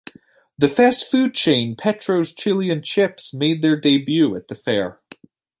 The fast food chain, Petro's Chili and Chips made their debut at the fair.